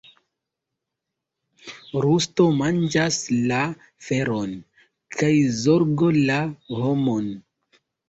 Rusto manĝas la feron, kaj zorgo la homon.